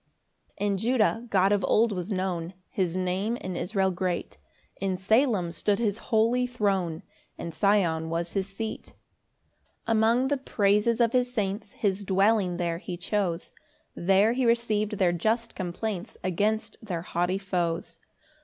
1 In Judah God of old was known; His Name in Israel great; In Salem stood his holy throne, And Sion was his seat. 2 Among the praises of his saints His dwelling there he chose; There he receiv'd their just complaints Against their haughty foes.